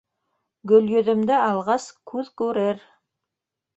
Гөлйөҙөмдө алғас, күҙ күрер.